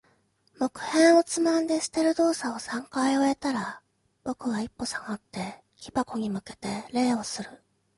木片をつまんで捨てる動作を三回終えたら、僕は一歩下がって、木箱に向けて礼をする。